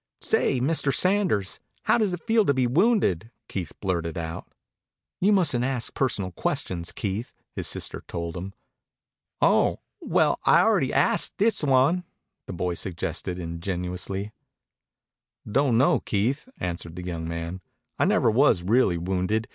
"Say, Mr. Sanders, how does it feel to be wounded?" Keith blurted out. "You mustn't ask personal questions, Keith," his sister told him. "Oh! Well, I already ast this one?" the boy suggested ingenuously. "Don't know, Keith," answered the young man. "I never was really wounded.